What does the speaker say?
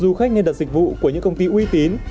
du khách nên đặt dịch vụ của những công ty uy tín